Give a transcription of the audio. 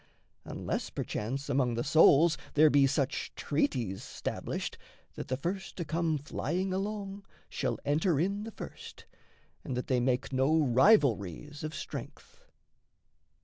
Unless perchance among the souls there be Such treaties stablished that the first to come Flying along, shall enter in the first, And that they make no rivalries of strength!